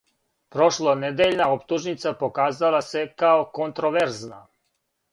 Прошлонедељна оптужница показала се као контроверзна.